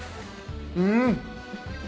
うん。